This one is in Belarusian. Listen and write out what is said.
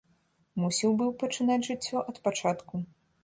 Мусіў быў пачынаць жыццё ад пачатку.